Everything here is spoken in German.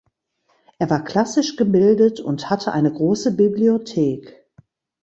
Er war klassisch gebildet und hatte eine große Bibliothek.